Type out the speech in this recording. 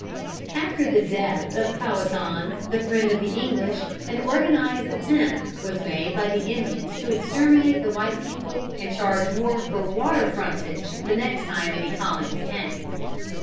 ] After the death of Powhatan, the friend of the English, an organized attempt was made by the Indians to exterminate the white people and charge more for water frontage the next time any colonists came.